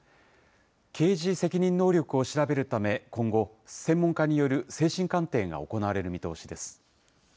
刑事責任能力を調べるため、今後、専門家による精神鑑定が行われる見通しです。